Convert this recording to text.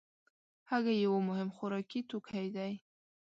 هګۍ یو مهم خوراکي توکی دی.